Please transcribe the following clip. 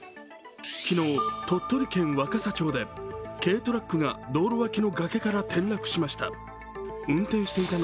昨日、鳥取県若桜町で、軽トラックが道路脇の崖から転落しました。